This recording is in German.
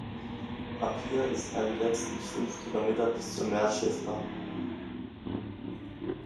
Ab hier ist er die letzten fünf Kilometer bis zum Meer schiffbar.